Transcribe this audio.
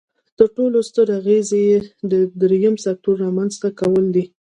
تر ټولو ستر اغیز یې د یو دریم سکتور رامینځ ته کول دي.